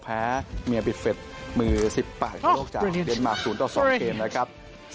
แพ้เมย์บิฟเล็ตมือ๑๘ของโลกจากเดนมาร์ค๐๒เกมนะครับ